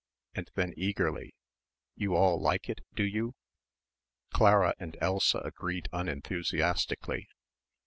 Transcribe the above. and then eagerly, "you all like it, do you?" Clara and Elsa agreed unenthusiastically.